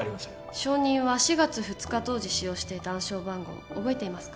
証人は４月２日当時使用していた暗証番号を覚えていますか？